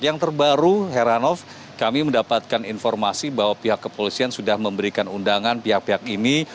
yang terbaru heranov kami mendapatkan informasi bahwa pihak kepolisian sudah memberikan undangan pihak pihak ini